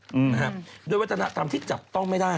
นะครับโดยวัฒนธรรมที่จัดต้องไม่ได้